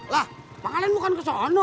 lah makanan bukan ke sana